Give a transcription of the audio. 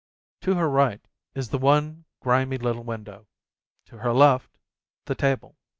To "her right is the one grimy little window, to her left, the table.